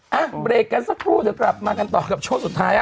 อ่ะเบรกกันสักครู่เดี๋ยวกลับมากันต่อกับช่วงสุดท้าย